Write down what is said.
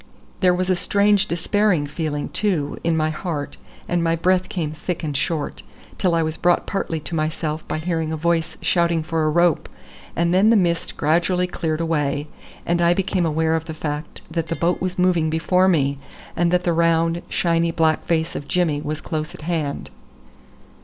There was a strange despairing feeling, too, in my heart, and my breath came thick and short, till I was brought partly to myself by hearing a voice shouting for a rope, and then the mist gradually cleared away, and I became aware of the fact that the boat was moving before me, and that the round, shiny black face of Jimmy was close at hand.